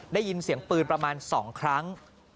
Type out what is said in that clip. ได้ยินเสียงปืนประมาณ๒ครั้ง